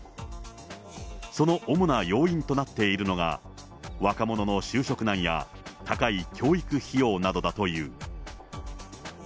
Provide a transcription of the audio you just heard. その主な要因となっているのが、若者の就職難や、高い教育費用なのだという。